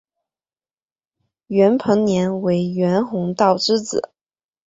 袁彭年为袁宏道之子。